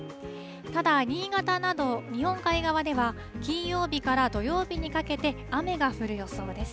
ただ、新潟など、日本海側では金曜日から土曜日にかけて雨が降る予想です。